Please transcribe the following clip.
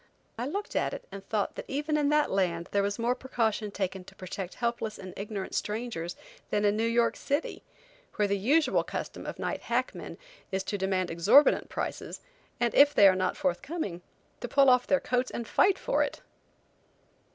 I looked at it, and thought that even in that land there was more precaution taken to protect helpless and ignorant strangers than in New York city, where the usual custom of night hack men is to demand exorbitant prices, and if they are not forthcoming, to pull off their coats and fight for it.